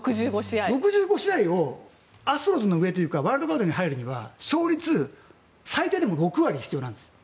６５試合でアストロズの上というかワイルドカードに入るには勝率最低でも６割必要なんです。